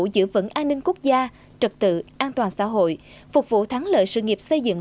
giữ vững an ninh quốc gia trật tự an toàn xã hội phục vụ thắng lợi sự nghiệp xây dựng